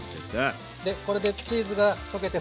でこれでチーズが溶けてサッと。